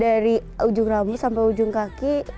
dari ujung rambut sampai ujung kaki itu